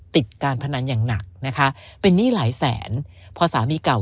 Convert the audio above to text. ติดการพนันอย่างหนักนะคะเป็นหนี้หลายแสนพอสามีเก่า